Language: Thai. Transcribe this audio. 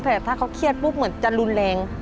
แต่ถ้าเขาเครียดปุ๊บเหมือนจะรุนแรง